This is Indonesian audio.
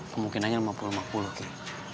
kemungkinannya lima puluh lima puluh ya